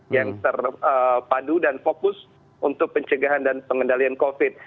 yang terpadu dan fokus untuk pencegahan dan pengendalian covid